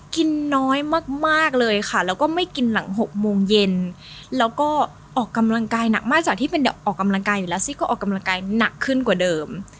กินน้อยมากเลยค่ะแล้วก็ไม่กินหลัง๖โมงเย็นแล้วก็ออกกำลังกายหนักมากจากที่เป็นแบบออกกำลังกายอยู่แล้วซี่ก็ออกกำลังกายหนักขึ้นกว่าเดิม